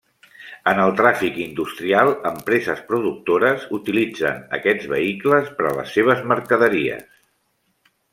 En el tràfic industrial, empreses productores utilitzen aquests vehicles per a les seves mercaderies.